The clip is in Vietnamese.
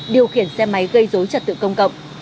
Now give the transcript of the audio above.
điều khiển xe máy gây dối trật tự công cộng